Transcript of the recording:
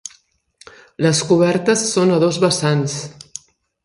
Les cobertes són a dos vessants.